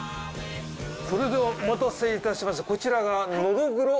それではお待たせいたしました。